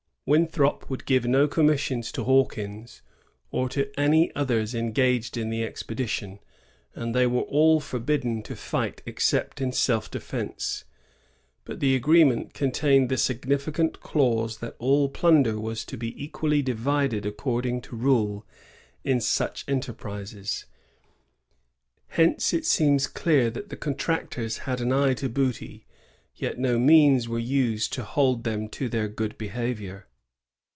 Winthrop would give no commissions to Hawkins or any others engaged in the expedition, and they were all forbidden to fight except in self defence ; but the agreement contained the significant clause that all plunder was to be equally divided according to rule in such enterprises. Hence it seems clear that the contractors had an eye to booty; yet no means were used to hold them to their good behavior.